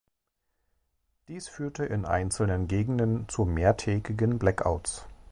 Dies führte in einzelnen Gegenden zu mehrtägigen Blackouts.